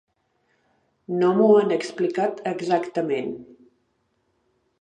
No m’ho han explicat exactament.